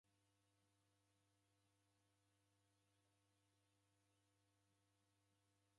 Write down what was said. Olenyi maza rabia da ngera nibonyagha w'ada!